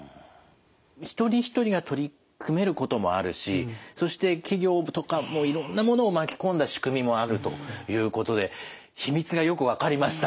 一人一人が取り組めることもあるしそして企業とかもういろんなものを巻き込んだ仕組みもあるということで秘密がよく分かりました。